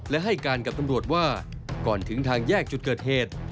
และให้การกับตำรวจว่าก่อนถึงทางแยกจุดเกิดเหตุ